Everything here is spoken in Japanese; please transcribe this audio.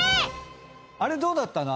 あれどうだったの？